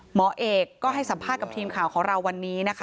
หมอเอกก็ให้สัมภาษณ์กับทีมข่าวของเราวันนี้นะคะ